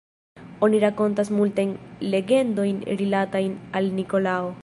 Oni rakontas multajn legendojn rilatajn al Nikolao.